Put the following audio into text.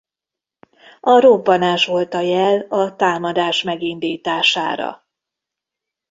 A robbanás volt a jel a támadás megindítására.